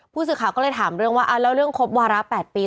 ผู้สื่อข่าวก็เลยถามเรื่องว่าแล้วเรื่องครบวาระ๘ปี